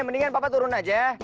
mendingan papa turun aja